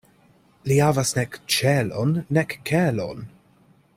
Li havas nek ĉelon, nek kelon.